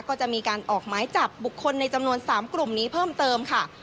ก็จะมีการออกหมายจับบุคคลในจำนวน๓กลุ่มนี้เพิ่มเติมค่ะ